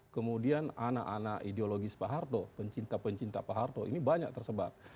kemudian anak anak ideologis pak harto pencinta pencinta pak harto ini banyak tersebar